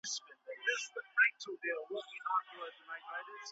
ولي کورني شرکتونه خوراکي توکي له هند څخه واردوي؟